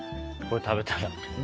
これ食べたら？